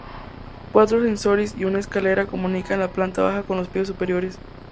Cuatro ascensores y una escalera comunican la planta baja con los pisos superiores.